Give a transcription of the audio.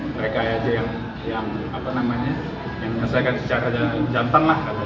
mereka aja yang menyesuaikan secara jantan lah